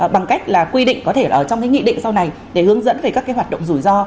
bằng cách là quy định có thể ở trong cái nghị định sau này để hướng dẫn về các cái hoạt động rủi ro